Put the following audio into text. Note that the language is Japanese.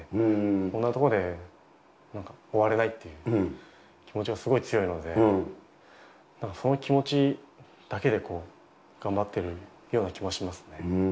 こんなところでなんか終われないっていう、気持ちがすごい強いので、なんか、その気持ちだけで頑張ってるような気もしますね。